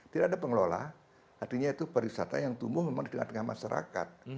tidak ada pengelola artinya itu pariwisata yang tumbuh memang di tengah tengah masyarakat